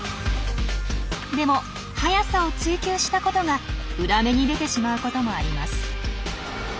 でも速さを追求したことが裏目に出てしまうこともあります。